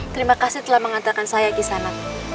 terima kasih telah mengantarkan saya kisana